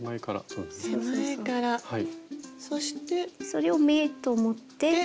それを目と思って。